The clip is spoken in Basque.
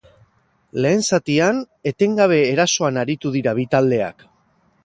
Lehen zatian etengabe erasoan aritu dira bi taldeak.